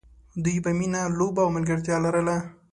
دوی به مینه، لوبه او ملګرتیا لرله.